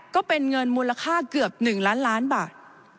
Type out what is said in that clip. ก็เป็นเงินมูลค่าเกือบ๑ล้านล้านบาท